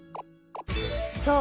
そう。